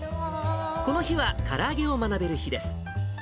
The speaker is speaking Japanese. この日はから揚げを学べる日です。